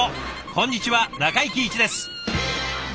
こんにちは中井貴一です。